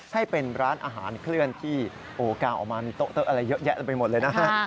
ให้เป็นร้านอาหารเคลื่อนที่กางออกมามีโต๊ะอะไรเยอะแยะเต็มไปหมดเลยนะฮะ